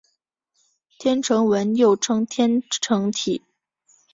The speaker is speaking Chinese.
天城文又称天城体。